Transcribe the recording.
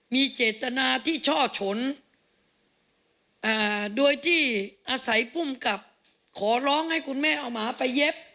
มีเจตนาที่ช่อฉนโดยที่อาศัยภูมิกับขอร้องให้คุณแม่เอาหมาไปเย็บ